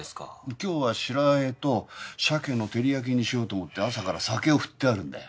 今日は白和えと鮭の照り焼きにしようと思って朝から酒を振ってあるんだよ。